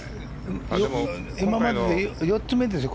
今までで４つ目ですよ。